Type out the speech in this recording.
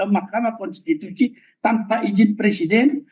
mahkamah konstitusi tanpa izin presiden